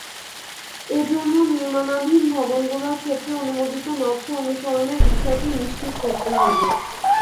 এজন্য নির্মাণাধীন ভবনগুলোর ক্ষেত্রে অনুমোদিত নকশা অনুসরণের বিষয়টি নিশ্চিত করতে হবে।